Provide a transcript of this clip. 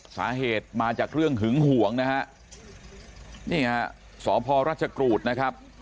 สาเหตุมาจากเรื่องหึงห่วงนะฮะนี่ฮะสพราชกรูดนะครับ